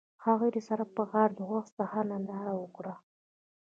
هغوی د سړک پر غاړه د خوښ سهار ننداره وکړه.